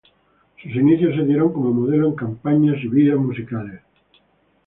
Sus inicios se dieron como modelo en campañas y videos musicales.